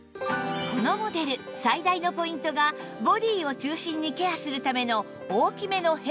このモデル最大のポイントがボディーを中心にケアするための大きめのヘッドとハンドル